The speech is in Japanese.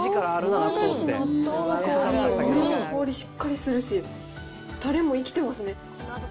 納豆の香り、豆の香りがしっかりするし、たれも生きてますね。